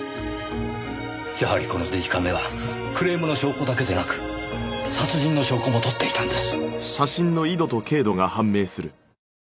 やはりこのデジカメはクレームの証拠だけでなく殺人の証拠も撮っていたんです。